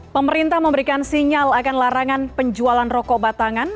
pemerintah memberikan sinyal akan larangan penjualan rokok batangan